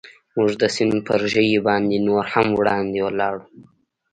موږ د سیند پر ژۍ باندې نور هم وړاندې ولاړو.